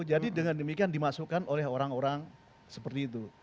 jadi dengan demikian dimasukkan oleh orang orang seperti itu